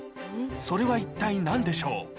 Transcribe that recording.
それは一体何でしょう？